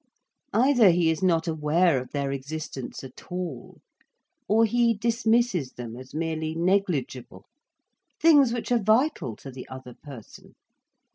Either he is not aware of their existence at all, or he dismisses them as merely negligible—things which are vital to the other person.